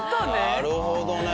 なるほどね。